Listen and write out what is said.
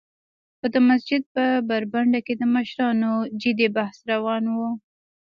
خو د مسجد په برنډه کې د مشرانو جدي بحث روان و.